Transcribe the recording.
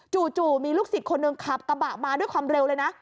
จู่มีลูกศิษย์คนหนึ่งขับกระบะมาด้วยความเร็วเลยนะ